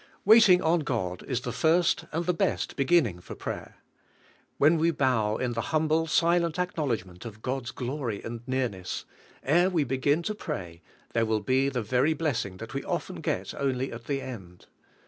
Waiting on God is the first and the best beginning for prayer. When we bow in the humble, silent acknowledgment of God's glory and nearness, ere we begin to pray there will be the very blessing that we often get onl}^ at the end.